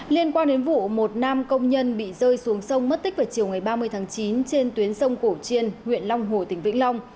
liên quan đến vụ một nam công nhân bị rơi xuống sông mất tích vào chiều ngày ba mươi tháng chín trên tuyến sông cổ chiên huyện long hồ tỉnh vĩnh long